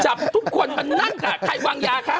จับทุกคนมานั่งค่ะใครวางยาคะ